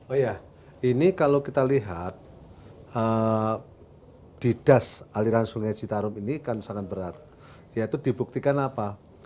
oh iya ini kalau kita lihat di das aliran sungai citarum ini kan sangat berat yaitu dibuktikan apa